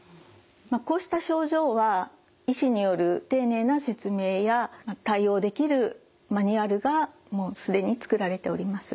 こうした症状は医師による丁寧な説明や対応できるマニュアルがもう既に作られております。